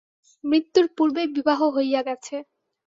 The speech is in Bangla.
মৃত্যুর পূর্বেই বিবাহ হইয়া গেছে।